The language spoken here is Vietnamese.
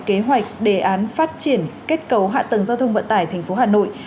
kế hoạch đề án phát triển kết cấu hạ tầng giao thông vận tải tp hà nội